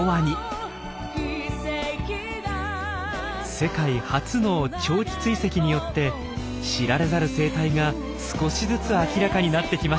世界初の長期追跡によって知られざる生態が少しずつ明らかになってきました。